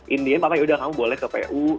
in the end papa yaudah kamu boleh ke pu